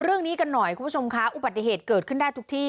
เรื่องนี้กันหน่อยคุณผู้ชมค่ะอุบัติเหตุเกิดขึ้นได้ทุกที่